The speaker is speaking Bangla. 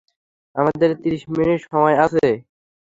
আমাদের ত্রিশ মিনিট সময় আছে।